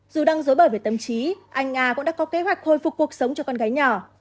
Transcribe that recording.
dù đang dối bời về tâm trí anh nga cũng đã có kế hoạch hồi phục cuộc sống cho con gái nhỏ